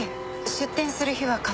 出店する日は必ず。